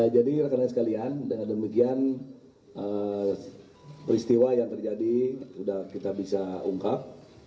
jadi rekan rekan sekalian dengan demikian peristiwa yang terjadi sudah kita bisa ungkap